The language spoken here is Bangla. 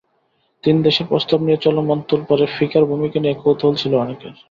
তিন দেশের প্রস্তাব নিয়ে চলমান তোলপাড়ে ফিকার ভূমিকা নিয়ে কৌতূহল ছিল অনেকের।